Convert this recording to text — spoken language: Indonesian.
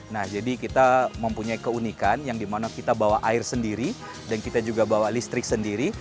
nah jadi kita mempunyai keunikan yang dimana kita bawa air sendiri dan kita juga bawa listrik sendiri